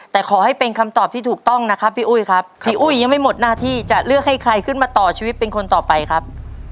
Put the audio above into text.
แต่ขอให้เป็นคำตอบที่ถูกต้องนะครับพี่อุ้ยครับพี่อุ้ยยังไม่หมดหน้าที่จะเลือกให้ใครขึ้นมาต่อชีวิตเป็นคนต่อไปครับ